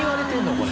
これ。